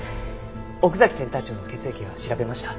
奥崎センター長の血液は調べました？